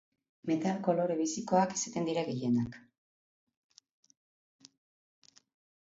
Metal kolore bizikoak izaten dira gehienak.